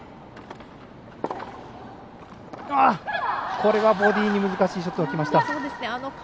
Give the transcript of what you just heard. これはボディーに難しいショットがきました。